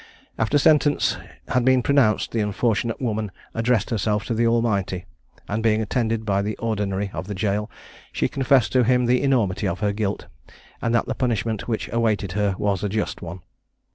After sentence had been pronounced, the unfortunate woman addressed herself to the Almighty; and, being attended by the ordinary of the jail, she confessed to him the enormity of her guilt, and that the punishment which awaited her was a just one.